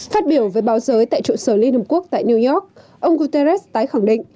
phát biểu với báo giới tại trụ sở liên hợp quốc tại new york ông guterres tái khẳng định